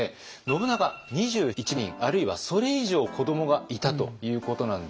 信長２１人あるいはそれ以上子どもがいたということなんですけれども。